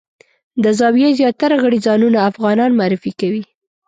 د زاویې زیاتره غړي ځانونه افغانان معرفي کوي.